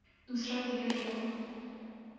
دوسرا گیئر لگاؤ